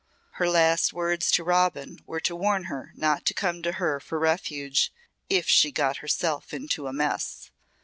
"Her last words to Robin were to warn her not to come to her for refuge 'if she got herself into a mess.'